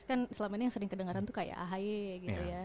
kan selama ini yang sering kedengaran tuh kayak ahy gitu ya